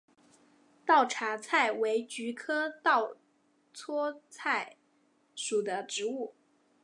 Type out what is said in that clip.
稻槎菜为菊科稻搓菜属的植物。